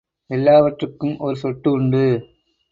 எல்லாவற்றுக்கும் ஒரு சொட்டு உண்டு.